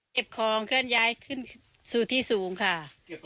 เก็บของขนย้ายขึ้นสู่ที่สูงค่ะ